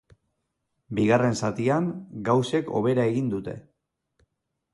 Bigarren zatian, gauzek hobera egin dute.